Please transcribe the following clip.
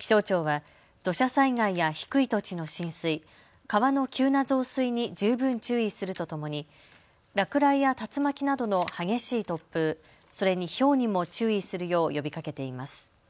気象庁は土砂災害や低い土地の浸水、川の急な増水に十分注意するとともに落雷や竜巻などの激しい突風、それにひょうにも注意するよう呼びかけています。